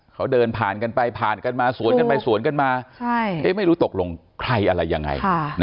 เขาเดินผ่านกันไปผ่านกันมาสวนกันไปสวนกันมาไม่รู้ตกลงใครอะไรยังไง